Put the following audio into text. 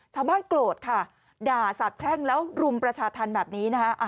ชาวบ้านโกรธค่ะด่าสับแช่งแล้วรุมประชาธรรมแบบนี้นะ